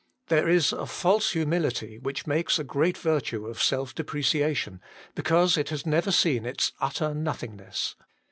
There is a false humility, which makes a great virtue of self depreciation, because it has never seen its utter nothingness.